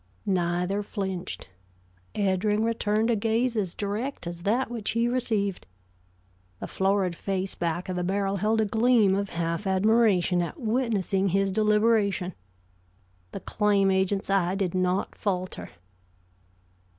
Neither flinched. Eddring returned a gaze as direct as that which he received. The florid face back of the barrel held a gleam of half admiration at witnessing his deliberation. The claim agent's eye did not falter.